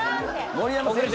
盛山選手？